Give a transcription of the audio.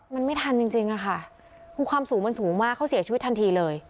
มันไม่ทันจริงอะค่ะคือความสูงมันสูงมากเขาเสียชีวิตทันทีเลย